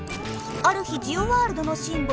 ある日ジオワールドのシンボル